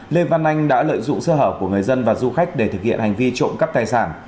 lê văn anh đã lợi dụng sơ hở của người dân và du khách để thực hiện hành vi trộm cắp tài sản